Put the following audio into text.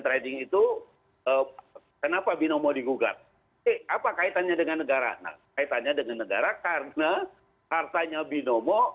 hatta membatas bagian suratnya binomo